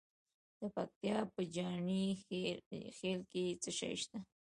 د پکتیا په جاني خیل کې څه شی شته؟